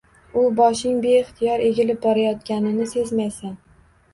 U boshing beixtiyor egilib borayotganini sezmaysan.